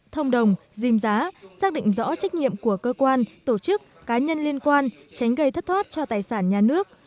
thông đồng dìm giá xác định rõ trách nhiệm của cơ quan tổ chức cá nhân liên quan tránh gây thất thoát cho tài sản nhà nước